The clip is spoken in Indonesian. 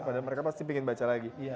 padahal mereka pasti ingin baca lagi